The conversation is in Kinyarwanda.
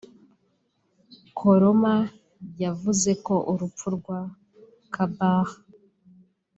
Koroma yavuze ko urupfu rwa Kabbah